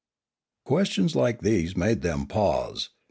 Questions like these made them pause.